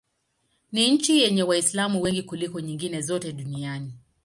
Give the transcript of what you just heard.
Ni nchi yenye Waislamu wengi kuliko nyingine zote duniani.